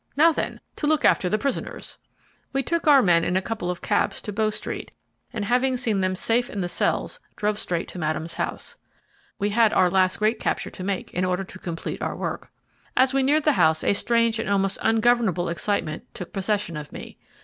Now, then, to look after the prisoners." We took our men in a couple of cabs to Bow Street, and having seen them safe in the cells, drove straight to Madame's house. We had our last great capture to make in order to complete our work. As we neared the house a strange and almost ungovernable excitement took possession of me.